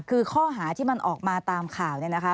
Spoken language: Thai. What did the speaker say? คือข้อหาที่มันออกมาตามข่าวเนี่ยนะคะ